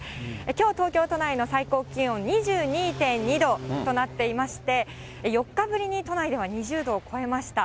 きょう、東京都内の最高気温２２．２度となっていまして、４日ぶりに都内では２０度を超えました。